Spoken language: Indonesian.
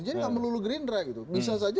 jadi gak melulu gerindra gitu bisa saja